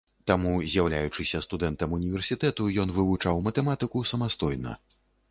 Таму, з'яўляючыся студэнтам універсітэту, ён вывучаў матэматыку самастойна.